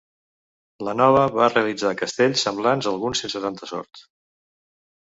La Nova va realitzar castells semblants, alguns sense tanta sort.